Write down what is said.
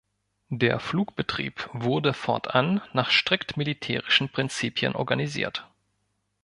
Der Flugbetrieb wurde fortan nach strikt militärischen Prinzipien organisiert.